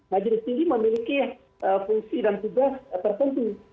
majelis tinggi memiliki fungsi dan tugas tertentu